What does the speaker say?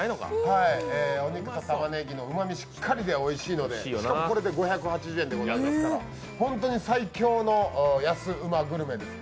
お肉とたまねぎのうまみしっかりでおいしいのでしかもこれで５８０円でございますから本当に最強の安ウマグルメです。